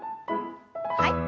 はい。